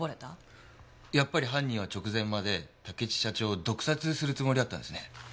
やっぱり犯人は直前まで竹地社長を毒殺するつもりだったんですね。